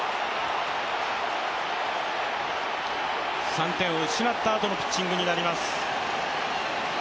３点を失ったあとのピッチングになります。